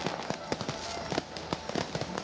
selamat tahun baru